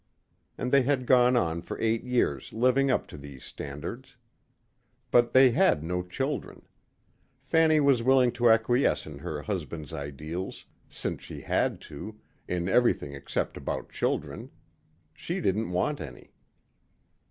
And they had gone on for eight years living up to these standards. But they had no children. Fanny was willing to acquiesce in her husband's ideals, since she had to, in everything except about children. She didn't want any.